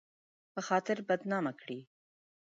په خاطر بدنامه کړي